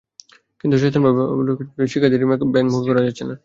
কিন্তু সচেতনতার অভাবে বারবার চেষ্টা করেও শিক্ষার্থীদের ব্যাংকমুখী করা যাচ্ছে না।